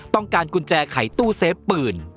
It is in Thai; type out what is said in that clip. ต้องการกุญแจขายตู้เซฟปืน